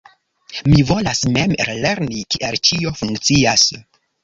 Mi volas mem lerni kiel ĉio funkcias.